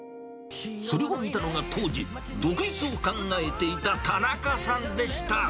それを見たのが、当時、独立を考えていた田中さんでした。